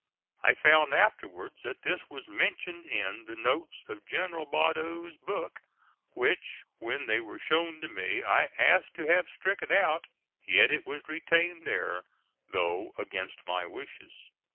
I found afterwards that this was mentioned in the notes of General Badeau's book, which, when they were shown to me, I asked to have stricken out; yet it was retained there, though against my wishes.